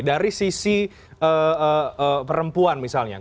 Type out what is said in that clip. dari sisi perempuan misalnya